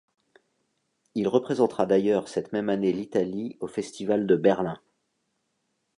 Il représentera d’ailleurs cette même année l’Italie au festival de Berlin.